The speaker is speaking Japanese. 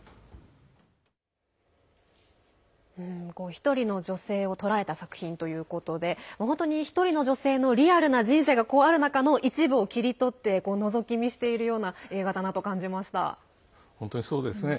１人の女性を捉えた作品ということで１人の女性のリアルな人生がある中の一部を切り取ってのぞき見しているような本当にそうですね。